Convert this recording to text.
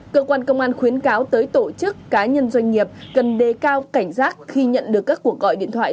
cơ quan công an khuyến cáo tới tổ chức cá nhân doanh nghiệp cần đề cao cảnh giác khi nhận được các cuộc gọi điện thoại